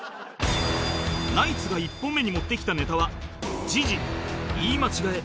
ナイツが１本目に持ってきたネタは時事・言い間違え